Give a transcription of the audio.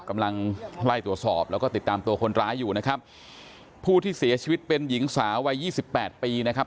กำลังไล่ตรวจสอบแล้วก็ติดตามตัวคนร้ายอยู่นะครับผู้ที่เสียชีวิตเป็นหญิงสาววัยยี่สิบแปดปีนะครับ